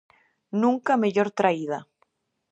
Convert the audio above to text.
Nunca mellor traída.